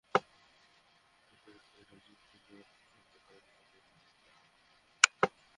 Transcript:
কিন্তু তারাই সবচেয়ে বেশি অবহেলিত এবং তারাই সবচেয়ে বেশি সংকটের মুখোমুখি হচ্ছে।